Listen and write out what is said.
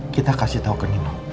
kita kasih tau ke nino